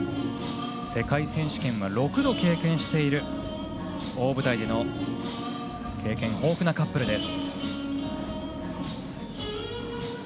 世界選手権は６度経験している大舞台での経験豊富なカップル。